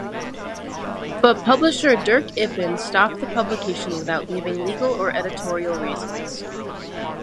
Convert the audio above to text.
But publisher Dirk Ippen stopped the publication without giving legal or editorial reasons.